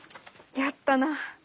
やったな！